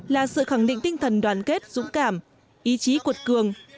là sự khẳng định tinh thần đoàn kết dũng cảm ý chí cuột cường